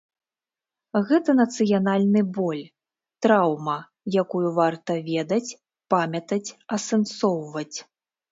Гэта нацыянальны боль, траўма, якую варта ведаць, памятаць, асэнсоўваць.